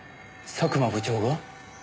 佐久間部長が？